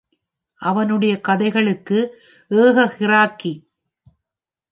அவனுடைய கதைகளுக்கு ஏகக் கிராக்கி.